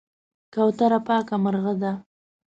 کوتره پاکه مرغه ده.